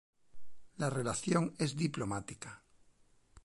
La relación es diplomática.